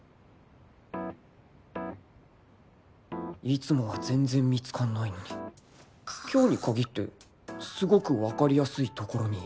いつもは全然見つかんないのに今日にかぎってすごく分かりやすいところにいる